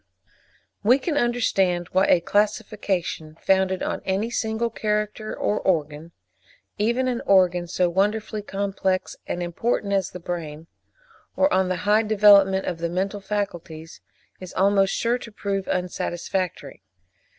We can understand why a classification founded on any single character or organ—even an organ so wonderfully complex and important as the brain—or on the high development of the mental faculties, is almost sure to prove unsatisfactory.